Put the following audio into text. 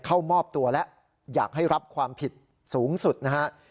เข้ามอบตัวแล้วอยากให้รับความผิดสูงสุดนะฮะ